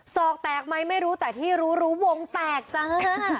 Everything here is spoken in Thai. ศอกแตกไหมไม่รู้แต่ที่รู้รู้วงแตกจ้า